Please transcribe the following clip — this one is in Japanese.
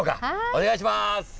お願いします。